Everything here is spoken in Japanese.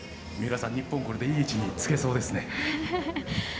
三浦さん日本はいい位置につけそうですね。